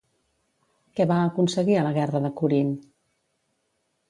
Què va aconseguir a la guerra de Corint?